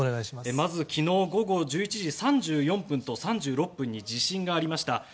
まず昨日午後１１時３４分と３６分に地震がありました。